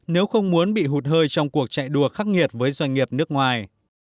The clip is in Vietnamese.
nếu không muốn bị hụt hơi trong cuộc chạy đua khắc nghiệt với doanh nghiệp nước ngoài